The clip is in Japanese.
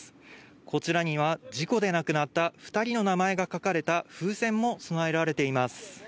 こちらには事故で亡くなった２人の名前が書かれた風船も備えられています。